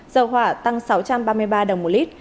dầu hỏa tăng sáu trăm ba mươi ba đồng một lít